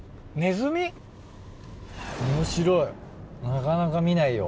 面白いなかなか見ないよ